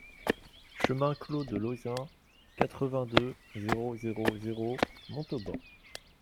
Chemin Clos de Lauzin, quatre-vingt-deux, zéro zéro zéro Montauban